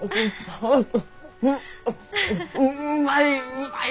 うまい！